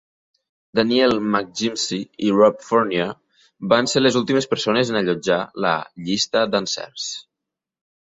Danielle McGimsie i Rob Fournier van ser les últimes persones en allotjar la "llista d"encerts".